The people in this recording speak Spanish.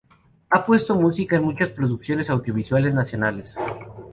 Ha puesto música en muchas producciones audiovisuales nacionales.